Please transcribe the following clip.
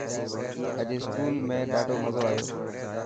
اڄ اسڪول ۾ ڏاڌو مزو آيو.